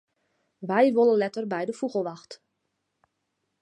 Wy wolle letter by de fûgelwacht.